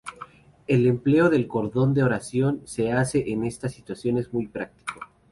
El empleo del cordón de oración se hace en estas situaciones muy práctico.